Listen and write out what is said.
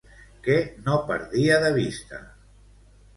Què no perdia de vista?